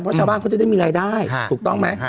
เพราะชาวบ้านเขาจะได้มีรายได้ถูกต้องไหม